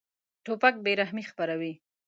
توپک بېرحمي خپروي.